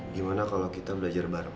gimana kalau kita belajar bareng